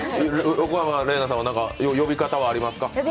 横山玲奈さんは何か呼び方はありますか？